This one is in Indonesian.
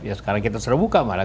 ya sekarang kita sudah buka malah